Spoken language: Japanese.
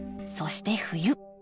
そして冬。